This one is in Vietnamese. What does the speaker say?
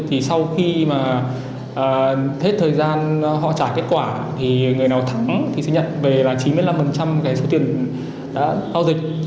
thì sau khi mà hết thời gian họ trả kết quả thì người nào thắng thì sẽ nhận về là chín mươi năm cái số tiền đã giao dịch